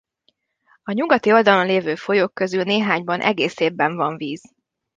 A nyugati oldalon lévő folyók közül néhányban egész évben van víz.